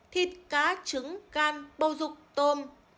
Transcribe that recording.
thịt cá trứng can bầu rục tôm